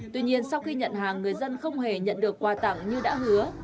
tuy nhiên sau khi nhận hàng người dân không hề nhận được quà tặng như đã hứa